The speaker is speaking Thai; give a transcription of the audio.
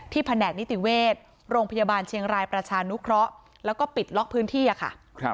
แผนกนิติเวชโรงพยาบาลเชียงรายประชานุเคราะห์แล้วก็ปิดล็อกพื้นที่ค่ะ